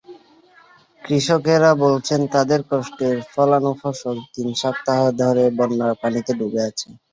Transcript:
কৃষকেরা বলছেন, তাঁদের কষ্টে ফলানো ফসল তিন সপ্তাহ ধরে বন্যার পানিতে ডুবে আছে।